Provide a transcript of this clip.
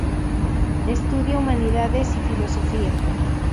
Estudia Humanidades y Filosofía.